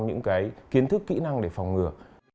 những cái kiến thức kỹ năng để phòng ngừa